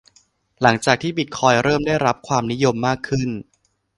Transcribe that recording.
หลังจากที่บิตคอยน์เริ่มได้รับความนิยมมากขึ้น